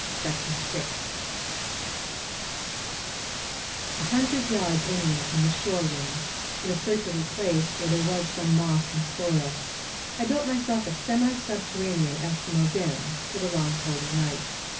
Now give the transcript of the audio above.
A hundred yards inland from the shore rim, in a circular place where there was some moss and soil, I built myself a semi subterranean Eskimo den for the long Polar night.